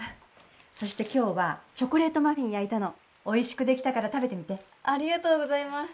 そして今日はチョコレートマフィン焼いたのおいしくできたから食べてみてありがとうございます